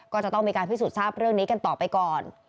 ก็จะต้องมีการพิสูจนทราบเรื่องนี้กันต่อไปก่อน